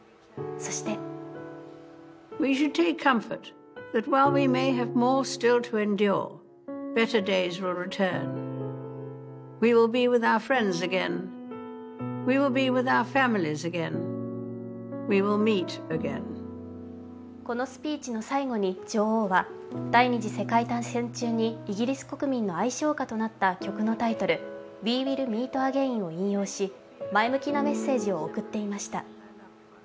そしてこのスピーチの最後に女王は第二次世界大戦中にイギリス国民の愛唱歌となった曲のタイトル「Ｗｅｗｉｌｌｍｅｅｔａｇａｉｎ」を引用し、前向きなメッセージを送っていました。